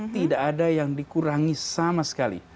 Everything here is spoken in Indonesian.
tidak ada yang dikurangi sama sekali